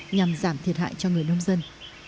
nhằm giảm thiệt hại cho người nông dân